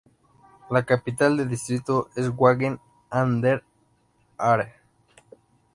La capital del distrito es Wangen an der Aare.